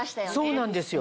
そうなんですよ。